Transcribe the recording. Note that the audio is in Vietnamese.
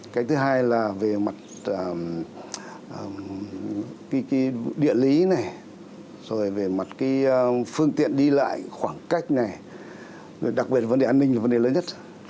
cái thứ hai là về mặt địa lý về mặt phương tiện đi lại khoảng cách đặc biệt vấn đề an ninh là vấn đề lớn nhất